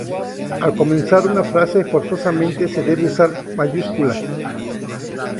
Al comenzar una frase forzosamente se debe usar mayúscula.